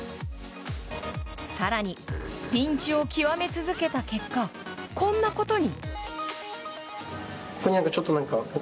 更に、ピンチを極め続けた結果こんなことに。